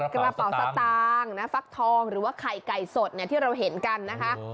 กระเป๋าสตางค์ฟักทองหรือว่าไข่ไก่สดที่เราเห็นกันนะคะ